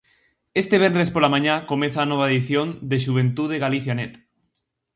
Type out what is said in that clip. Este venres pola mañá comeza a nova edición de Xuventude Galicia Net.